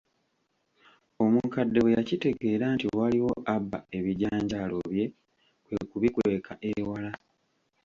Omukadde bwe yakitegeera nti waliwo abba ebijanjaalo bye kwe kubikweka ewala.